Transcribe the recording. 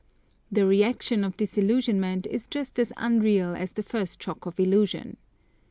The reaction of disillusionment is just as unreal as the first shock of illusion.